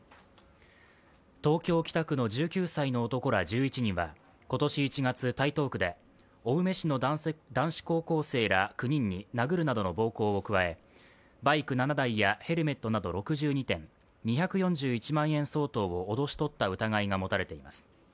東京・北区の１９歳の男ら１１人は今年１月、台東区で青梅市の男子校高校生ら９人に殴るなどの暴行を加えバイク７台やヘルメットなど６２点、２４１万円相当を脅し取った疑いが持たれています。